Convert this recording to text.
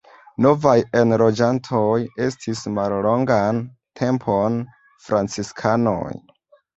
Novaj enloĝantoj estis mallongan tempon franciskanoj.